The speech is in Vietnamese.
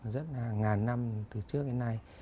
rất là ngàn năm từ trước đến nay